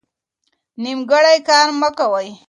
نیمګړی کار مه کوئ.